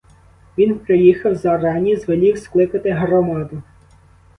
Він приїхав зарані, звелів скликати громаду.